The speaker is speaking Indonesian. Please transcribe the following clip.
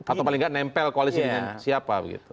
atau paling tidak nempel koalisi dengan siapa begitu